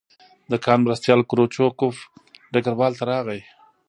د کان مرستیال کروچکوف ډګروال ته راغی